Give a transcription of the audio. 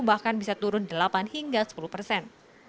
bahkan bisa turun delapan hingga sepuluh persen